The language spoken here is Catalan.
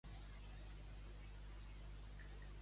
Vaja, a Granollers has perdut l'erra